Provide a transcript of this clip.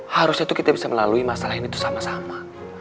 harusnya tuh kita bisa melalui masalah ini sama sama